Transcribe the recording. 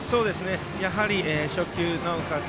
やはり初球、なおかつ